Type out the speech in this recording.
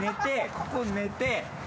ここに寝て。